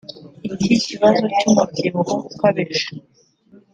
Iki kibazo cy’umubyibuho ukabije